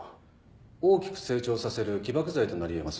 大きく成長させる起爆剤となり得ます。